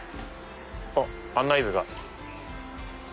あっ案内図が。